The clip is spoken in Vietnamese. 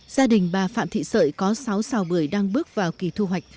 gia đình bà phạm thị sợi có sáu sao bưởi đang bước vào kỳ thu hoạch